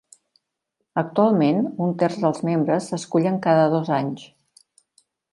Actualment, un terç dels membres s'escullen cada dos anys.